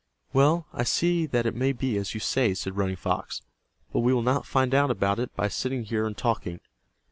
"Well, I see that it may be as you say," said Running Fox. "But we will not find out about it by sitting here and talking.